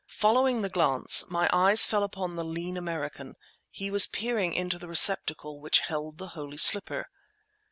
Following the glance, my eyes fell upon the lean American; he was peering into the receptacle which held the holy slipper.